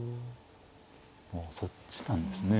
ああそっちなんですね。